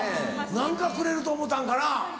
何かくれると思うたんかな？